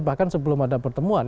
bahkan sebelum ada pertemuan